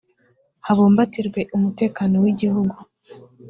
habumbatirwe umutekano w igihugu .